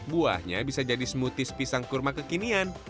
buahnya bisa jadi smoothies pisang kurma kekinian